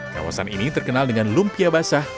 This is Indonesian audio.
kawasan ini terkenal dengan lumpia basah